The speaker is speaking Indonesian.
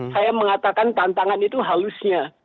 saya mengatakan tantangan itu halusnya